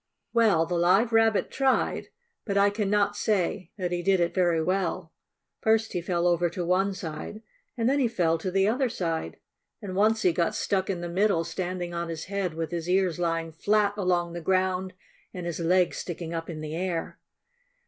Well, the Live Rabbit tried, but I can not say that he did it very well. First he fell over to one side, and then he fell to the other side. And once he got stuck in the middle, standing on his head with his ears lying flat along the ground and his legs sticking up in the air.